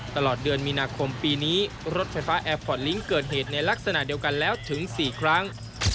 ตลอดเดือนมีนาคมปีนี้รถไฟฟ้าแอร์พอร์ตลิงก์เกิดเหตุในลักษณะเดียวกันแล้วถึง๔ครั้ง